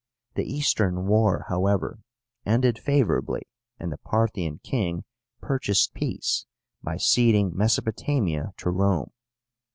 The Eastern war, however, ended favorably, and the Parthian king purchased peace by ceding Mesopotamia to Rome.